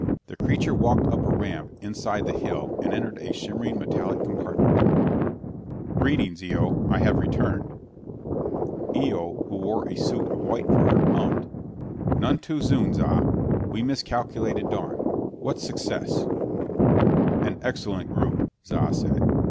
The creature walked up a ramp inside the hill and entered a shimmering metallic compartment. "Greetings, Eo. I have returned." Eo, who wore a suit of white fur, hummed, "None too soon, Za. We miscalculated dawn. What success?" "An excellent group," Za said.